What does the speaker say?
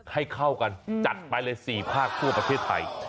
ให้เข้ากันจัดไปเลย๔ภาคทั่วประเทศไทย